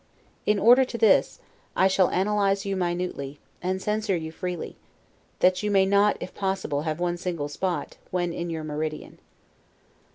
In order to this, I shall analyze you minutely, and censure you freely, that you may not (if possible) have one single spot, when in your meridian.